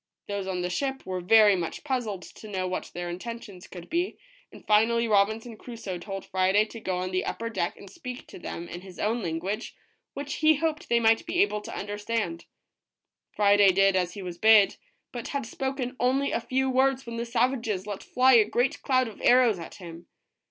Those on the ship were very much puzzled to know what their intentions could be, and finally Robinson Crusoe told Friday to go on the upper deck and speak to them in his 149 ROBINSON CRUSOE. A SHIP IN SIGHT. own language, which he hoped they might be able to under stand. Friday did as he was bid, but had spoken only a few words when the savages let fly a great cloud of arrows at him.